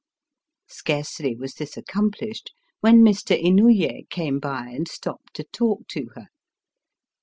Scarcely was this accompKshed when Mr. Inouye came by and stopped to talk to her.